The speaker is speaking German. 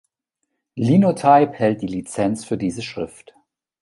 Linotype hält die Lizenz für diese Schrift.